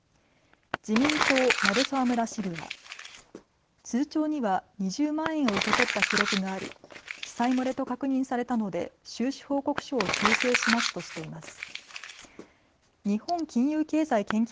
自民党鳴沢村支部は通帳には２０万円を受け取った記録があり記載漏れと確認されたので収支報告書を修正しますとしています。